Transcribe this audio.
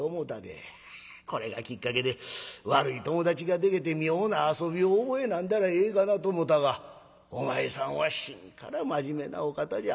あこれがきっかけで悪い友達がでけて妙な遊びを覚えなんだらええがなと思たがお前さんは心から真面目なお方じゃ。